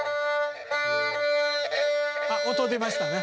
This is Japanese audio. あっ音出ましたね。